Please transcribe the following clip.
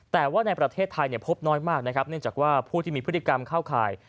แต่ว่าในประเทศไทยพบน้อยมากนะครับเนื่องจากว่าผู้ที่มีพฤติกรรมเข้าข่าย